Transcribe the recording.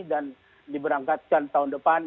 dan diberangkatkan tahun depan